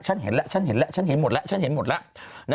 ฉันเห็นแล้วฉันเห็นแล้วฉันเห็นหมดแล้วฉันเห็นหมดแล้ว